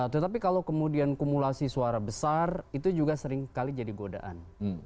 tetapi kalau kemudian kumulasi suara besar itu juga seringkali jadi godaan